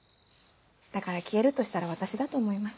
だから消えるとしたら私だと思います。